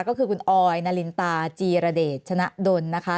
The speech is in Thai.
ก็คือคุณออยนารินตาจีรเดชชนะดนนะคะ